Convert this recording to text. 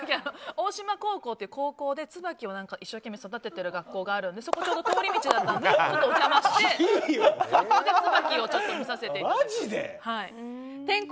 大島高校っていう高校でツバキを一生懸命育ててる学校があるのでそこが通り道だったのでお邪魔してツバキを見させてもらって。